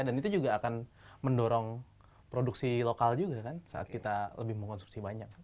dan itu juga akan mendorong produksi lokal juga kan saat kita lebih mengkonsumsi banyak